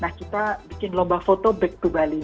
nah kita bikin lomba foto back to bali